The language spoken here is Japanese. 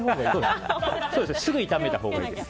すぐ炒めたほうがいいです。